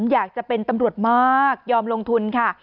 อยากจะเป็นตำรวจมากยอมลงทุนค่ะ